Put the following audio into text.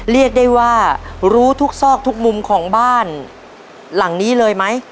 เรียกได้ว่ารู้ทุกซอกทุกมุมของบ้านหลังนี้เลยไหม